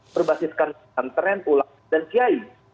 berbasiskan antren ulang dan kiai